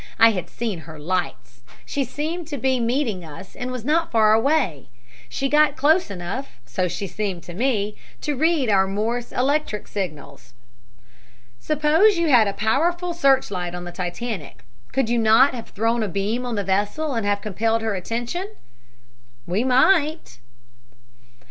I had seen her lights. She seemed to be meeting us and was not far away. She got close enough, so she seemed to me, to read our Morse electric signals." "Suppose you had a powerful search light on the Titanic, could you not have thrown a beam on the vessel and have compelled her attention?" "We might."